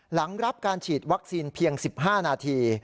หลังรับการฉีดวัคซีนเพียง๑๕นาที